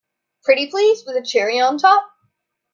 Pretty please with a cherry on top!